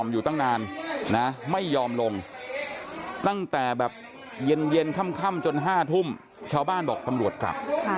เย็นค่ำจน๕ทุ่มชาวบ้านบอกปำรวจกลับ